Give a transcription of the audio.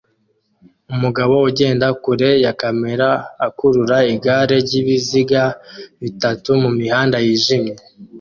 Umugabo ugenda kure ya kamera akurura igare ryibiziga bitatu mumihanda yijimye